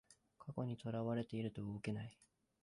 過去にとらわれてると動けない